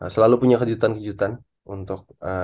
selalu punya kejutan kejutan untuk